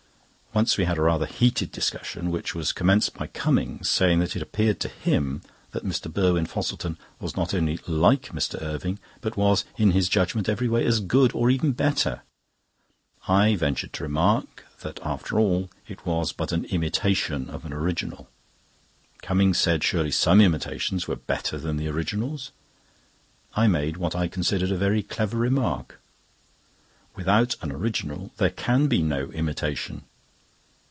Once we had a rather heated discussion, which was commenced by Cummings saying that it appeared to him that Mr. Burwin Fosselton was not only like Mr. Irving, but was in his judgment every way as good or even better. I ventured to remark that after all it was but an imitation of an original. Cummings said surely some imitations were better than the originals. I made what I considered a very clever remark: "Without an original there can be no imitation."